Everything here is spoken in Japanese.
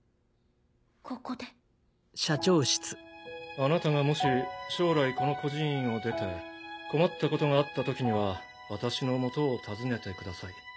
「あなたがもし将来この孤児院を出て困ったことがあった時には私の元を訪ねてください。